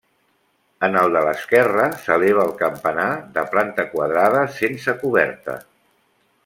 En el de l'esquerra s'eleva el campanar, de planta quadrada, sense coberta.